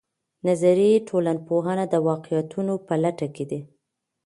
نظري ټولنپوهنه د واقعيتونو په لټه کې ده.